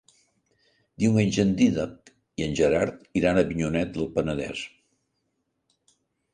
Diumenge en Dídac i en Gerard iran a Avinyonet del Penedès.